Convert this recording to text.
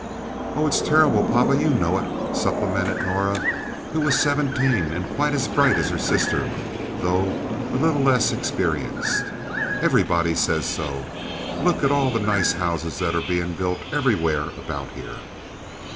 "Oh, it's terrible, papa. You know it," supplemented Norah, who was seventeen and quite as bright as her sister, though a little less experienced. "Everybody says so. Look at all the nice houses that are being built everywhere about here."